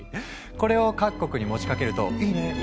これを各国に持ちかけると「いいね！」